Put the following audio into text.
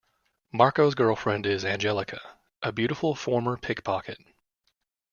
Marco's girlfriend is Angelica, a beautiful former pickpocket.